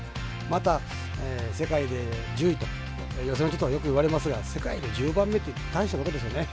また、世界で１０位と予選落ちとかよく言われますが世界で１０番目って大したことですよね。